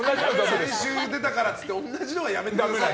先週出たからって同じのはやめてください。